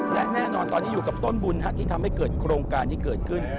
และแน่นอนตอนนี้อยู่กับต้นบุญที่ทำให้เกิดโครงการที่เกิดขึ้น